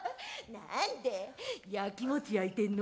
何だよやきもちやいてんの？